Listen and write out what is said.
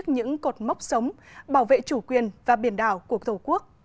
những cột mốc sống bảo vệ chủ quyền và biển đảo của tổ quốc